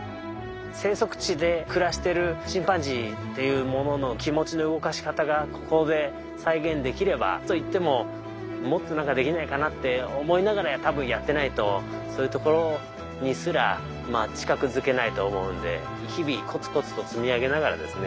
生息地で暮らしてるチンパンジーっていうものの気持ちの動かし方がここで再現できればといってももっと何かできないかなって思いながら多分やってないとそういうところにすら近づけないと思うんで日々コツコツと積み上げながらですね